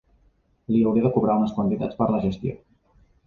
Li hauré de cobrar unes quantitats per la gestió.